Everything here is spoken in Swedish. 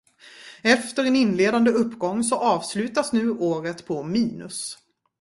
Efter en inledande uppgång så avslutas nu året på minus.